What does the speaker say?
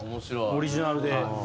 オリジナルで。